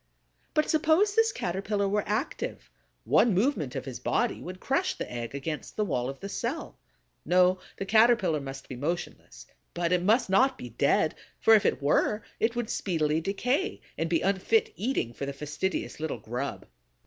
But suppose this Caterpillar were active? One movement of his body would crush the egg against the wall of the cell. No, the Caterpillar must be motionless; but it must not be dead, for if it were, it would speedily decay and be unfit eating for the fastidious little grub.